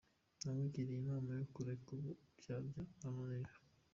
Namugiriye inama yo kureka uburyarya arananira.